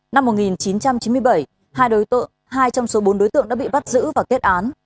năm một nghìn chín trăm chín mươi bảy hai trong số bốn đối tượng đã bị bắt giữ và kết án